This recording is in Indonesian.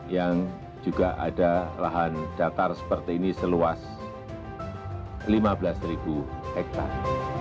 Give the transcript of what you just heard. yang juga ada lahan datar seperti ini seluas lima belas hektare